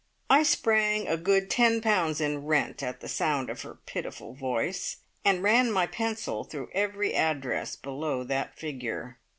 I sprang a good ten pounds in rent at the sound of her pitiful voice, and ran my pencil through every address below that figure.